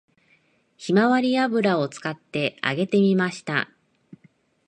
ひまわり油を使って揚げてみました